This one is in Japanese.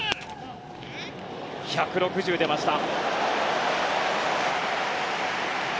１６０キロ出ました。